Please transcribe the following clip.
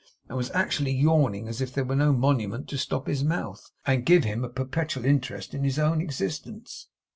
and was actually yawning, as if there were no Monument to stop his mouth, and give him a perpetual interest in his own existence.